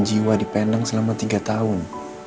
jiwa di penang selama tiga tahun